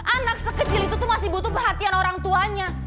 anak sekecil itu tuh masih butuh perhatian orang tuanya